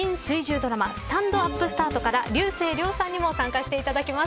ドラマスタンドＵＰスタートから竜星涼さんにも参加していただきます。